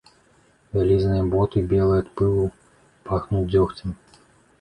Вялізныя боты, белыя ад пылу, пахнуць дзёгцем.